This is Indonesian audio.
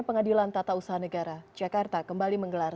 pengadilan tata usaha negara jakarta kembali menggelar